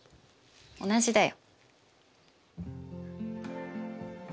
同じだよ。